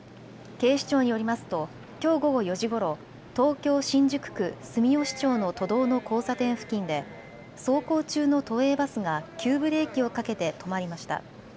警視庁によりますときょう午後４時ごろ、東京新宿区住吉町の都道の交差点付近で走行中の都営バスが急ブレーキをかけて止まりました。